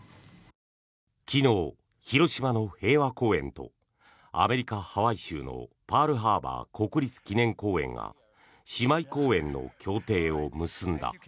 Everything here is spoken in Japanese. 昨日、広島の平和公園とアメリカ・ハワイ州のパールハーバー国立記念公園が姉妹公園の協定を結んだ。